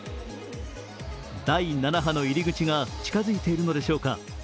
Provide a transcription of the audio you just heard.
第７波の入り口が近づいているのでしょうか？